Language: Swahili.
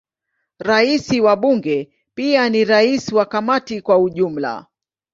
Rais wa Bunge pia ni rais wa Kamati kwa ujumla.